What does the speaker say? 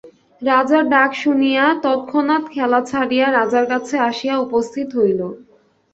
রাজার ডাক শুনিয়া তৎক্ষণাৎ খেলা ছাড়িয়া রাজার কাছে আসিয়া উপস্থিত হইল।